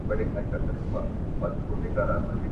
شيرمحمد ښادمن صديق الله مشال